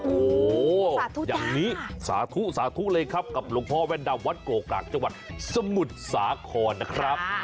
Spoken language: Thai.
โอ้โหอย่างนี้สาธุสาธุเลยครับกับหลวงพ่อแว่นดำวัดโกกากจังหวัดสมุทรสาครนะครับ